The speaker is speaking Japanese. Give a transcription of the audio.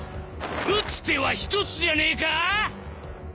打つ手は一つじゃねえか！？